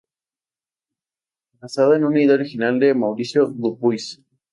Basada en una idea original de Mauricio Dupuis.